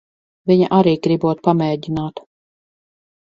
Viņa arī gribot pamēģināt.